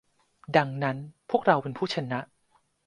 ดังนั้น พวกเราเป็นผู้ชนะ